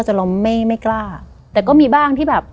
แต่เราไม่ไม่กล้าแต่ก็มีบ้างที่แบบ